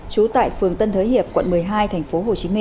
trú tại phường tân thới hiệp quận một mươi hai tp hcm